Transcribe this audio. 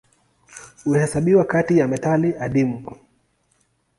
Huhesabiwa kati ya metali adimu.